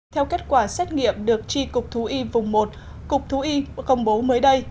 theo kết quả xét nghiệm được tri cục thú y vùng một cục thú y công bố mới đây